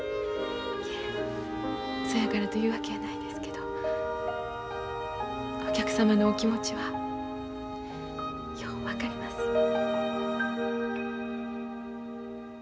そやからというわけやないですけどお客様のお気持ちはよう分かります。